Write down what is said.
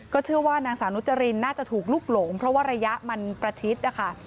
เชื่อว่านางสาวนุจรินน่าจะถูกลุกหลงเพราะว่าระยะมันประชิดนะคะ